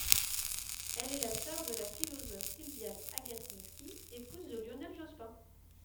Elle est la sœur de la philosophe Sylviane Agacinski, épouse de Lionel Jospin.